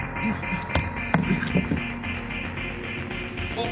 あっ。